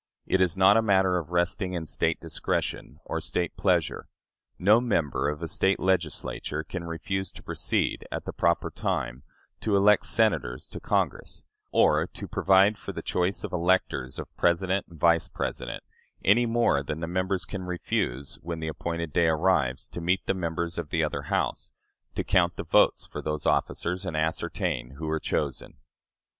It is not a matter resting in State discretion or State pleasure.... No member of a State Legislature can refuse to proceed, at the proper time, to elect Senators to Congress, or to provide for the choice of electors of President and Vice President, any more than the members can refuse, when the appointed day arrives, to meet the members of the other House, to count the votes for those officers and ascertain who are chosen."